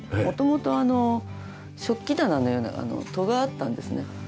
元々あの食器棚のような戸があったんですね。